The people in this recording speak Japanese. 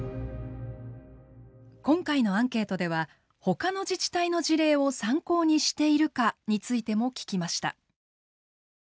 今回のアンケートではほかの自治体の事例を参考にしているかについても聞きました。